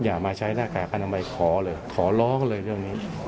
อย่ามาใช้หน้ากากอนามัยขอเลยขอร้องเลยเรื่องนี้